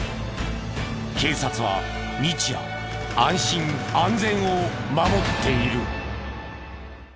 警察は日夜安心安全を守っている。